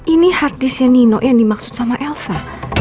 ini hardisknya nino yang dimaksud sama elsa